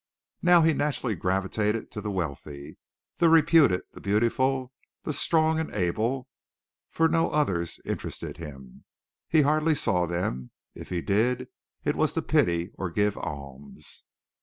Now he naturally gravitated to the wealthy, the reputed, the beautiful, the strong and able, for no others interested him. He hardly saw them. If he did it was to pity or give alms.